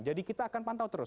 jadi kita akan pantau terus